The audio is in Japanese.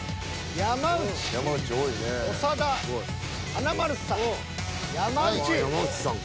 山内さんか？